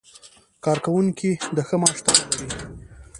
کارکوونکي د ښه معاش تمه لري.